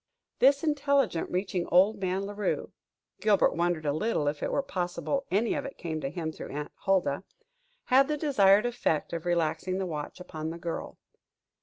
This intelligence reaching old man La Rue Gilbert wondered a little if it were possible any of it came to him through Aunt Huldah had the desired effect of relaxing the watch upon the girl.